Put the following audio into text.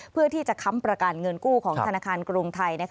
เพื่อที่จะค้ำประกันเงินกู้ของธนาคารกรุงไทย